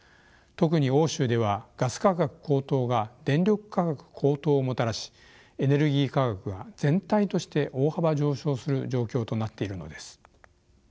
特に欧州ではガス価格高騰が電力価格高騰をもたらしエネルギー価格が全体として大幅上昇する状況となっているのです。